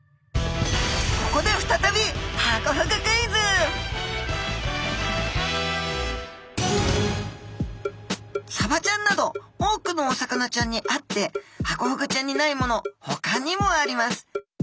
ここで再びサバちゃんなど多くのお魚ちゃんにあってハコフグちゃんにないものほかにもあります。